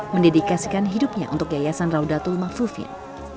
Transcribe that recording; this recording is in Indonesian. mendedikasikan hidupnya untuk yayasan raudatal makfufin